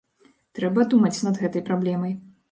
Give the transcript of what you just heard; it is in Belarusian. Трэба думаць над гэтай праблемай.